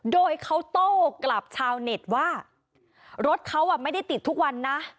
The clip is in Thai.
โดยเขาโต้กลับชาวเน็ตว่ารถเขาไม่ได้ติดทุกวันนะ